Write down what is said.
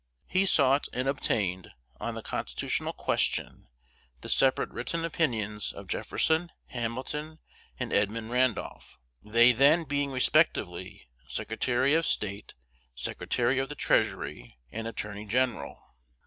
He sought and obtained, on the constitutional question, the separate written opinions of Jefferson, Hamilton, and Edmund Randolph; they then being respectively Secretary of State, Secretary of the Treasury, and Attorney General.